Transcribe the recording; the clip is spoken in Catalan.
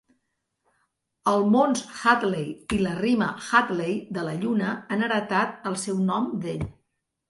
El mons Hadley i la rima Hadley de la lluna han heretat el seu nom d'ell.